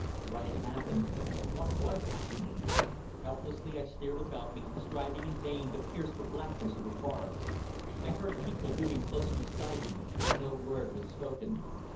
What had happened? And what was happening? Helplessly I stared about me, striving in vain to pierce the blackness of the forest. I heard people moving close beside me, but no word was spoken.